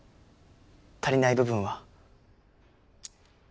足りない部分は。